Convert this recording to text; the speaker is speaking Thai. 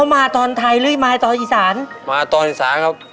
มาตอนอิสานครับ